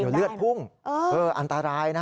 เดี๋ยวเลือดพุ่งอันตรายนะ